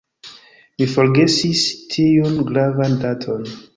Mi forgesis tiun gravan daton.